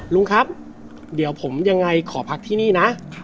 ลุงครับเดี๋ยวผมยังไงขอพักที่นี่นะ